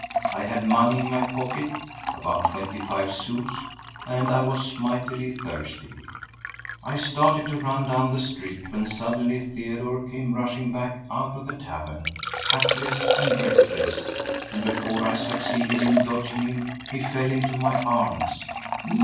I had money in my pocket—about twenty five sous—and I was mightily thirsty. I started to run down the street, when suddenly Theodore came rushing back out of the tavern, hatless and breathless, and before I succeeded in dodging him he fell into my arms.